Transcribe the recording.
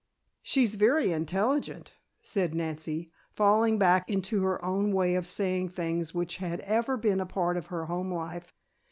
"She's very intelligent," said Nancy, falling back into her own way of saying things which had ever been a part of her home life.